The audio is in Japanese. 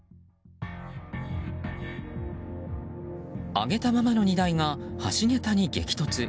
上げたままの荷台が橋桁に激突。